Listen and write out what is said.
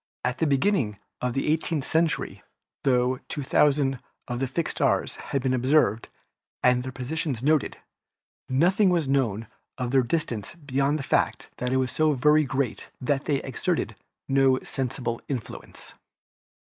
At the beginning of the eighteenth century, tho thousands of fixed stars had been observed and their positions noted, nothing was known of their distance beyond the fact that it was so very great that they exerted no sensible influence.